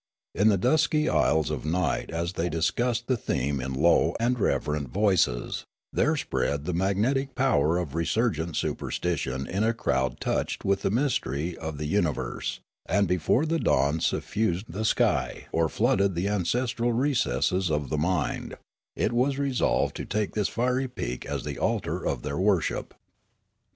In the dusky aisles of night, as they discussed the theme in low and reverent voices, there spread the magnetic power of resurgent supersti tion in a crowd touched with the myster}^ of the uni verse; and before the dawn suffused the sky or flooded the ancestral recesses of the mind, it was resolved to take this fiery peak as the altar of their worship.